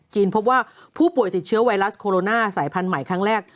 พบว่าผู้ป่วยติดเชื้อไวรัสโคโรนาสายพันธุ์ใหม่ครั้งแรก